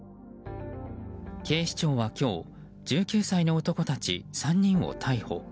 警視庁は今日１９歳の男たち３人を逮捕。